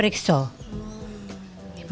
bapak dan ibu